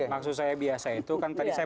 maksud saya biasa itu kan tadi saya